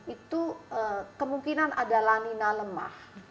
itu kemungkinan ada lanina lemah